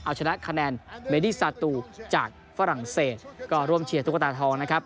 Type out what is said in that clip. เอาชนะคะแนนเบดี้ซาตูจากฝรั่งเศสก็ร่วมเชียร์ตุ๊กตาทองนะครับ